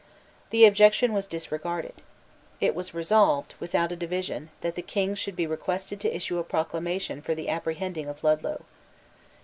The objection was disregarded. It was resolved, without a division, that the King should be requested to issue a proclamation for the apprehending of Ludlow.